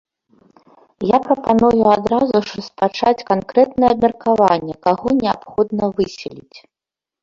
Я прапаную адразу ж распачаць канкрэтнае абмеркаванне, каго неабходна выселіць.